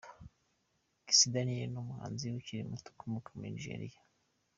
Kiss Daniel ni umuhanzi ukiri muto ukomoka muri Nigeria.